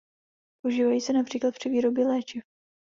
Používají se například při výrobě léčiv.